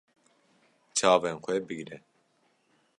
Çavên xwe bigire.